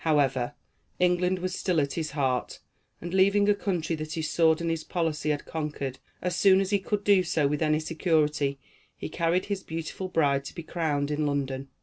However, England was still at his heart, and leaving a country that his sword and his policy had conquered, as soon as he could do so with any security, he carried his beautiful bride to be crowned in London.